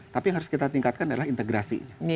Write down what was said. tapi yang harus kita tingkatkan adalah integrasi